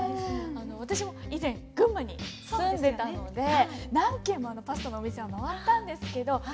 私も以前群馬に住んでたので何軒もあのパスタのお店は回ったんですけど何より量がね。